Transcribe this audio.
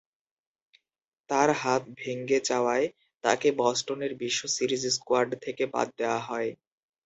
তার হাত ভেঙ্গে যাওয়ায় তাকে বস্টনের বিশ্ব সিরিজ স্কোয়াড থেকে বাদ দেয়া হয়।